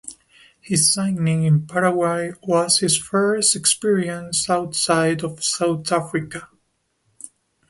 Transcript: His signing in Paraguay was his first experience outside of South Africa.